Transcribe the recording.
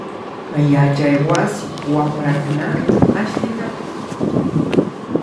Yachaywasi wamrakunami ashllinakun.